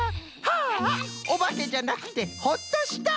はあおばけじゃなくてほっとした！